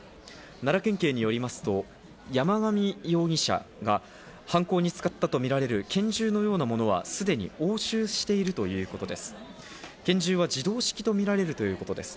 奈良県警によりますと、山上容疑者が犯行に使ったとみられる拳銃のようなものはすでに押収しているということです。